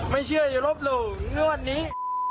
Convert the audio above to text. ไม่เชื่ออย่าลบหลู่งวดนี้